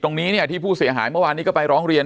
ตรงนี้เนี่ยที่ผู้เสียหายเมื่อวานนี้ก็ไปร้องเรียน